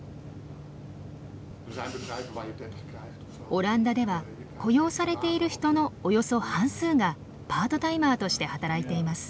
オランダでは雇用されている人のおよそ半数がパートタイマーとして働いています。